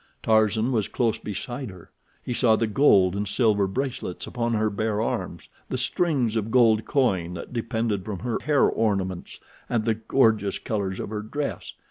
Tarzan was close beside her. He saw the gold and silver bracelets upon her bare arms, the strings of gold coin that depended from her hair ornaments, and the gorgeous colors of her dress.